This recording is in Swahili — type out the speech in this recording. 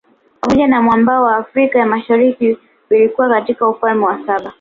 Pamoja na mwambao wa Afrika ya Mashariki vilikuwa katika Ufalme wa saba